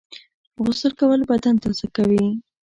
غسل کول بدن تازه کوي